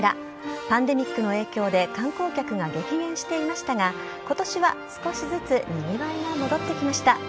パンデミックの影響で観光客が激減していましたが今年は少しずつにぎわいが戻ってきました。